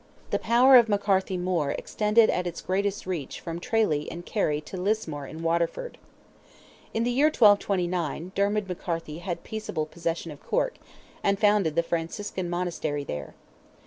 The power of McCarthy More extended at its greatest reach from Tralee in Kerry to Lismore in Waterford. In the year 1229, Dermid McCarthy had peaceable possession of Cork, and founded the Franciscan Monastery there.